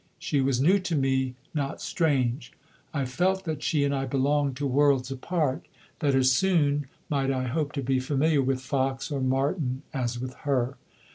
She was new to me not strange. I felt that she and I belonged to worlds apart; that as soon might I hope to be familiar with fox or marten as with her.